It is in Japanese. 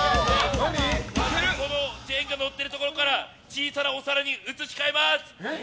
ジェンガが載っているところから小さなお皿に移し替えます。